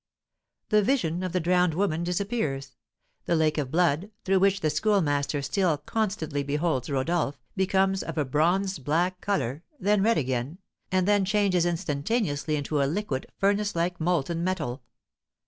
The vision of the drowned woman disappears. The lake of blood, through which the Schoolmaster still constantly beholds Rodolph, becomes of a bronzed, black colour, then red again, and then changes instantaneously into a liquid, furnace like, molten metal.